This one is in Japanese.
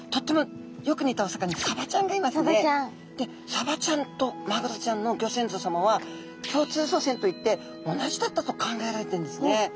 サバちゃんとマグロちゃんのギョ先祖さまは共通祖先といって同じだったと考えられてるんですね。